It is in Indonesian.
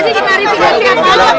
bapak ditanyakan ke